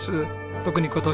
特に今年は！